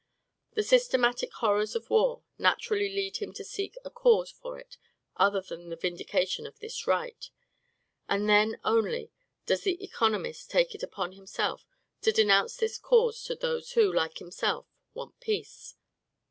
The systematic horrors of war naturally lead him to seek a cause for it other than the vindication of this right; and then only does the economist take it upon himself to denounce this cause to those who, like himself, want peace.